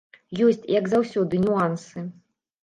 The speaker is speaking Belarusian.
Ёсць, як заўсёды, нюансы.